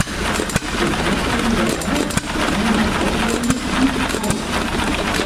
Die Herstellung der Gaszellen war aufwendig und teuer.